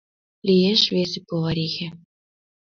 Лиеш весе поварихе».